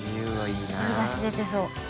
いいダシ出てそう。